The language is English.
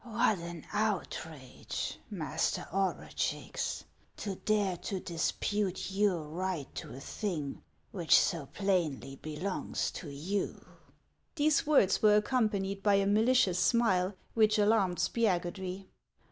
"What an outrage, Master Orugix, to dare to dis pute your right to a thing which so plainly belongs to you I" These words were accompanied by a malicious smile, which alarmed Spiagudry.